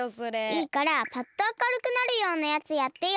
いいからパッとあかるくなるようなやつやってよ。